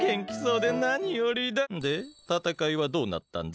でたたかいはどうなったんだ？